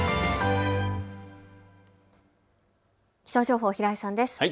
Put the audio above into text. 気象情報、平井さんです。